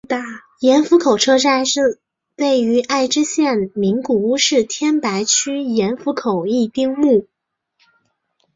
盐釜口车站是位于爱知县名古屋市天白区盐釜口一丁目。